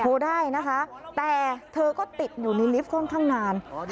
ได้นะคะแต่เธอก็ติดอยู่ในลิฟต์ค่อนข้างนาน